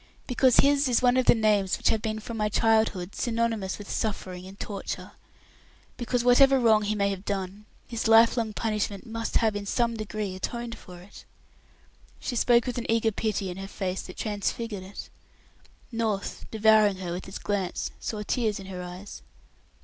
"Because his is one of the names which have been from my childhood synonymous with suffering and torture, because whatever wrong he may have done, his life long punishment must have in some degree atoned for it." She spoke with an eager pity in her face that transfigured it. North, devouring her with his glance, saw tears in her eyes.